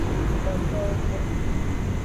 Kpotowo gbo.